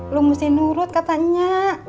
lo mesti nurut katanya